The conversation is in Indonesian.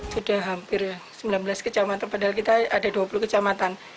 sudah hampir sembilan belas kecamatan padahal kita ada dua puluh kecamatan